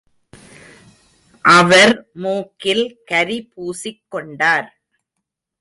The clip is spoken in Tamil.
அவர் மூக்கில் கரி பூசிக் கொண்டார்.